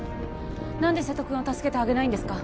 何で瀬戸くんを助けてあげないんですか？